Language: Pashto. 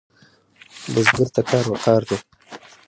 بزګر ته کار وقار دی